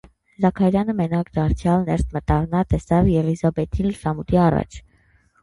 Զաքարյանը մենակ դարձյալ ներս մտավ, նա տեսավ Եղիսաբեթին լուսամուտի առաջ: